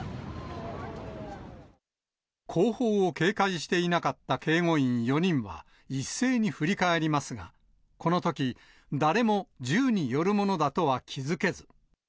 後方を警戒していなかった警護員４人は、一斉に振り返りますが、このとき、誰も銃によるものだとは気付けず。